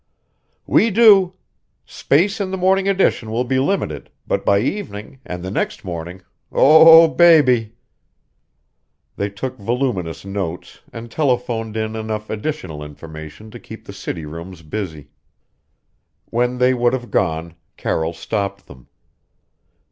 "We do. Space in the morning edition will be limited, but by evening, and the next morning oh, baby!" They took voluminous notes and telephoned in enough additional information to keep the city rooms busy. When they would have gone, Carroll stopped them.